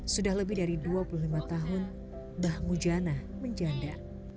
sudah lebih dari dua puluh lima tahun mbah mujana menjanda